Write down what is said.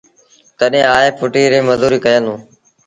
تڏهيݩ آئي ڦُٽيٚ ريٚ مزوريٚ ڪيآݩدوݩ۔